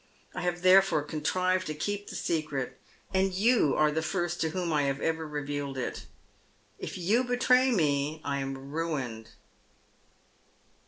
I have the.efofe contrived to keep the secret, and you are the first to whom 1 ^ave ever revealed it. If you betray me I am rained.